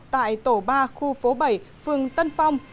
tại tổ ba khu phố bảy phường tân phong